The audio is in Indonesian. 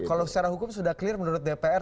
kalau secara hukum sudah clear menurut dpr